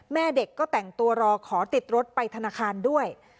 แม่เด็กก็แต่งตัวรอขอติดรถไปธนาคารด้วย